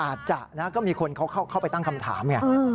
อาจจะก็มีคนเข้าไปตั้งคำถาม